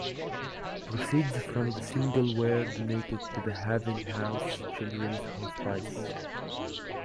Proceeds from the single were donated to the Haven House Children's Hospice.